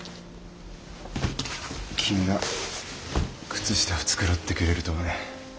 君が靴下を繕ってくれるとはね。